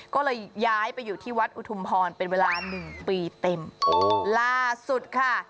ก็เลยย้ายไปอยู่ที่วัดอุทุมพรเป็นเวลาหนึ่งปีเต็มล่าสุดค่ะ